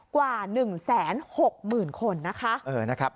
กว่า๑๖๐๐๐คนนะคะ